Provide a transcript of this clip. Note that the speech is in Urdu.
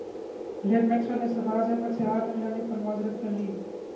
گلین میکسویل نے سرفراز احمد سے ہاتھ نہ ملانے پر معذرت کر لی